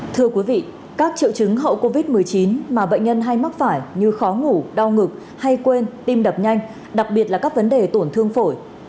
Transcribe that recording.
thưa quý vị các triệu chứng hậu covid một mươi chín mà bệnh nhân hay mắc phải như khó ngủ đau ngực hay quên tim đập nhanh đặc biệt là các vấn đề tổn thương phổi